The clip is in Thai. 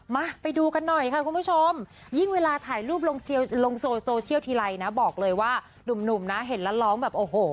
มาไปดูกันหน่อยค่ะคุณผู้ชมยิ่งเวลาถ่ายรูปลงโซเชียลทีไลน์นะบอกเลยว่า